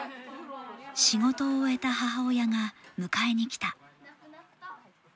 仕事を終えた母親が迎えに来た。